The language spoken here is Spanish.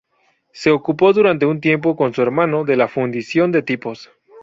Se ocupó durante un tiempo con su hermano de la fundición de tipos.